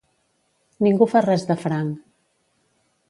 Ningú fa res de franc.